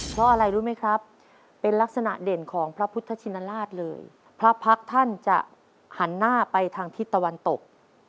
เพราะอะไรรู้ไหมครับเป็นลักษณะเด่นของพระพุทธชินราชเลยพระพักษ์ท่านจะหันหน้าไปทางทิศตะวันตก